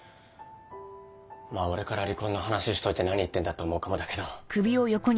まぁ俺から離婚の話しといて何言ってんだって思うかもだけど。